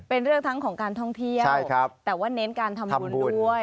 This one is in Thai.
เป็นเรื่องทั้งของการท่องเที่ยวแต่ว่าเน้นการทำบุญด้วย